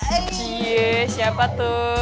iya siapa tuh